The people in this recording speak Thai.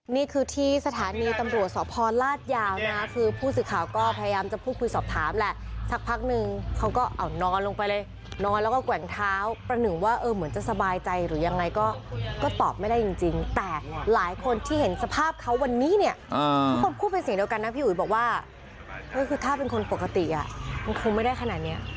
นี่คือที่สถานีตำรวจสพลาดยาวนะคือผู้สื่อข่าวก็พยายามจะพูดคุยสอบถามแหละสักพักนึงเขาก็เอานอนลงไปเลยนอนแล้วก็แกว่งเท้าประหนึ่งว่าเออเหมือนจะสบายใจหรือยังไงก็ตอบไม่ได้จริงแต่หลายคนที่เห็นสภาพเขาวันนี้เนี่ยทุกคนพูดเป็นเสียงเดียวกันนะพี่อุ๋ยบอกว่าเออคือถ้าเป็นคนปกติอ่ะมันคงไม่ได้ขนาดเนี้ย